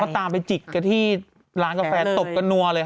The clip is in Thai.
ก็ตามไปจิกกับที่ร้านกาแฟตกกันัวเลยค่ะ